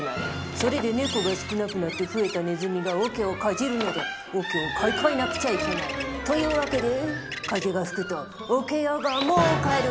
それで猫が少なくなって増えたネズミが桶をかじるので桶を買い替えなくちゃいけない。という訳で風が吹くと桶屋が儲かる。